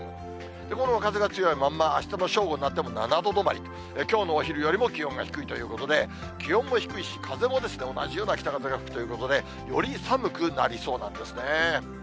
この風が強いまんま、あしたの正午になっても、７度止まり、きょうのお昼よりも気温が低いということで、気温も低いし、風も同じような北風が吹くということで、より寒くなりそうなんですね。